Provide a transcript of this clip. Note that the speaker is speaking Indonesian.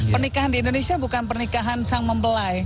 pernikahan di indonesia bukan pernikahan sang mempelai